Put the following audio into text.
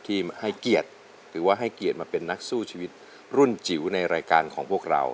ที่ให้เกียรติหรือว่าให้เกียรติมาเป็นนักสู้ชีวิตรุ่นจิ๋วในรายการของพวกเรา